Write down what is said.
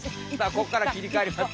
こっからきりかわります。